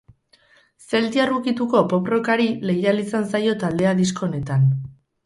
Zeltiar ukituko pop-rockari leial izan zaio taldea disko honetan.